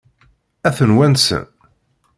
Ad ten-wansen?